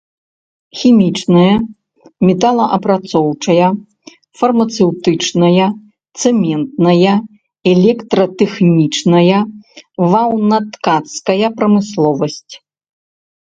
Хімічная, металаапрацоўчая, фармацэўтычная, цэментная, электратэхнічная, ваўнаткацкая прамысловасць.